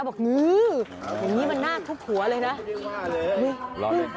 บอกงื้ออย่างนี้มันน่าทุบหัวเลยนะ